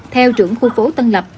theo trưởng khu phố tân lập